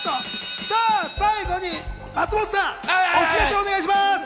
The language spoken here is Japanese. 最後に松本さん、お知らせお願いします。